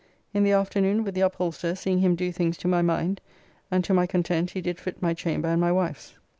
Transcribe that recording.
In the afternoon with the upholster seeing him do things to my mind, and to my content he did fit my chamber and my wife's.